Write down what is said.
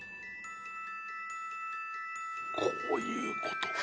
こういうことか。